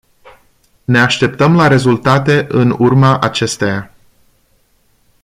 Ne așteptăm la rezultate în urma acesteia.